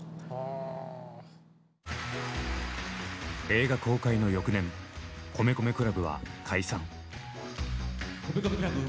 映画公開の翌年米米ＣＬＵＢは解散。